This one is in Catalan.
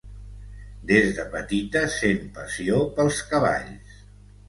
Des de petita sent passió pels cavalls.